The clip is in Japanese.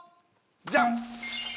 じゃん！